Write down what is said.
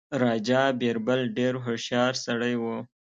راجا بیربل ډېر هوښیار سړی وو.